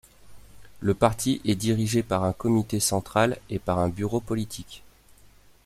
Le parti est dirigé par un comité central et par un bureau politique.